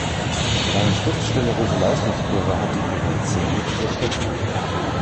Seine schriftstellerische Leistungskurve hatte ihren Zenit überschritten.